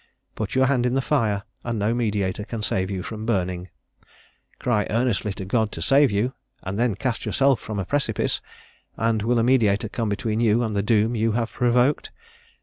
Put your hand in the fire, and no mediator can save you from burning; cry earnestly to God to save you, and then cast yourself from a precipice, and will a mediator come between you and the doom you have provoked?